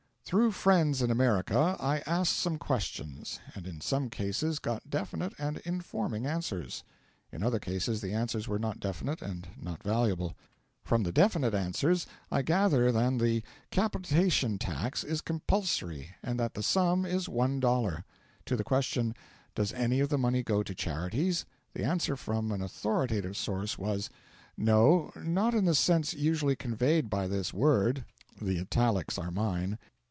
Through friends in America I asked some questions, and in some cases got definite and informing answers; in other cases the answers were not definite and not valuable. From the definite answers I gather that the 'capitation tax' is compulsory, and that the sum is one dollar. To the question, 'Does any of the money go to charities?' the answer from an authoritative source was: 'No, not in the sense usually conveyed by this word.' (The italics are mine.)